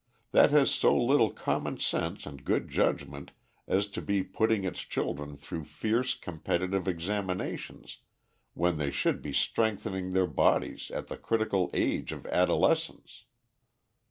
That has so little common sense and good judgment as to be putting its children through fierce competitive examinations when they should be strengthening their bodies at the critical age of adolescence?